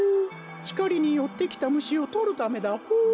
ひかりによってきたむしをとるためだホー。